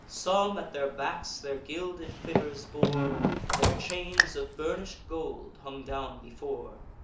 Some at their backs their gilded quivers bore; Their chains of burnish'd gold hung down before.